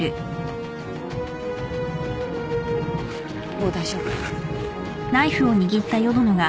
もう大丈夫。